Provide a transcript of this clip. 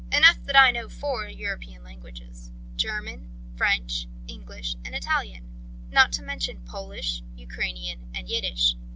Enough that I know four European languages, German, French, English, and Italian, not to mention Polish, Ukrainian and Yiddish.